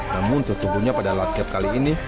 namun sesungguhnya pada lat gap kali ini